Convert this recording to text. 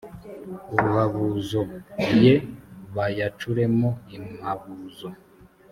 uruhabuzo ye bayacuremo impabuzo